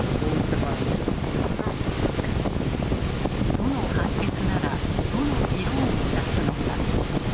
どの判決ならどのびろーんを出すのか。